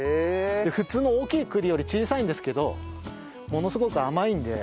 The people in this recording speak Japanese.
普通の大きい栗より小さいんですけどものすごく甘いんで。